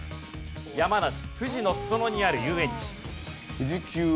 山梨富士の裾野にある遊園地。